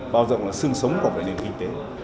bao giờ cũng là sương sống của nền kinh tế